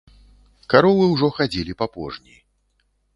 Каровы ўжо хадзілі па пожні.